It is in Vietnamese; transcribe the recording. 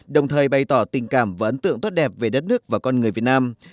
đồng thời bày tỏ tình cảm và ấn tượng tốt đẹp về đất nước và con người việt nam